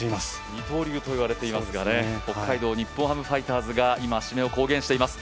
二刀流と言われていますが、北海道日本ハムファイターズが今、指名を公言しています。